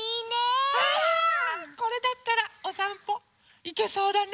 これだったらおさんぽいけそうだね。